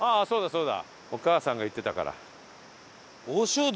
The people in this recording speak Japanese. そうだ。